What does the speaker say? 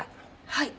はい！